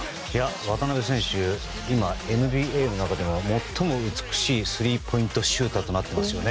渡邊選手、ＮＢＡの中では最も美しいスリーポイントシューターとなってますよね。